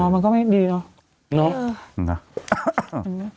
มันก็ไม่ดีนะถูกกันไง